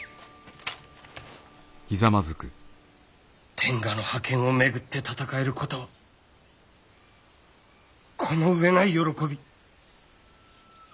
天下の覇権を巡って戦えることこの上ない喜び。